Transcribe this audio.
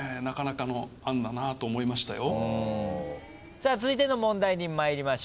さあ続いての問題に参りましょう。